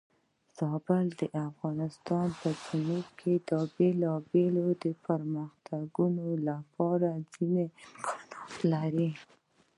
زابل د افغانستان په جنوب کې د بېلابېلو پرمختګونو لپاره ځینې امکانات لري.